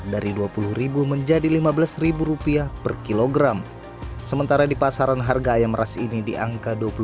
dari dua puluh menjadi lima belas rupiah per kilogram sementara di pasaran harga ayam ras ini diangkat